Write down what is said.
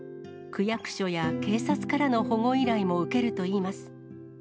区役所や警察からの保護依頼も受けるといいます。